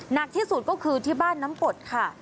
หนักที่สุดก็คือที่บ้านน้ำกดค่ะ